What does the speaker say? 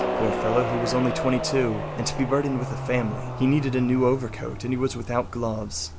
Poor fellow, he was only twenty two—and to be burdened with a family! He needed a new overcoat and he was without gloves.